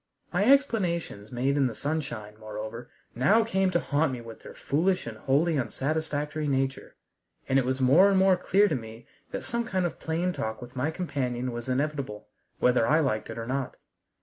My explanations made in the sunshine, moreover, now came to haunt me with their foolish and wholly unsatisfactory nature, and it was more and more clear to me that some kind of plain talk with my companion was inevitable, whether I liked it or not.